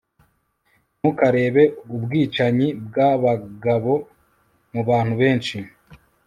Ntukarebe ubwicanyi bwabagabo mubantu benshi